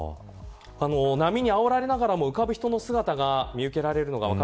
波にあおられながらも浮かぶ人の姿が見受けられます。